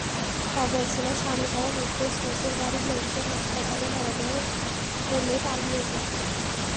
খবর শুনে স্বামীসহ মৃত্যুর শ্বশুরবাড়ির লোকজন হাসপাতালে মরদেহ ফেলে পালিয়ে যান।